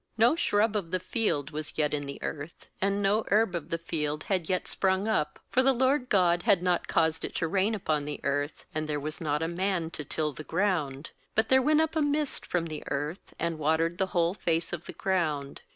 fiNo shrub of the field was yet in the earth, and no herb of the field had yet sprung up; for the LORD God had not caused it to rain upon the earth, and there was not a man to till the ground; 6but there went up a mist from the earth, and watered the whole face of the ground.